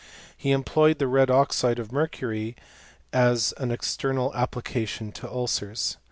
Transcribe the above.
He employed the red oxide of mercury , as an external application to ulcers.